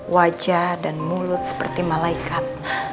wajah dan mulut seperti malaikat